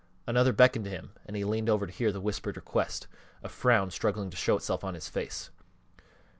Another beckoned to him and he leaned over to hear the whispered request, a frown struggling to show itself on his face.